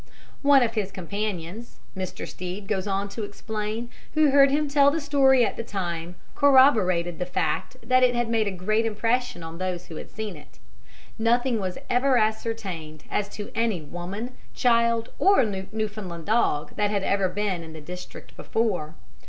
One of his companions, Mr. Stead goes on to explain, who heard him tell the story at the time, corroborated the fact that it had made a great impression on those who had seen it. Nothing was ever ascertained as to any woman, child, or Newfoundland dog that had ever been in the district before.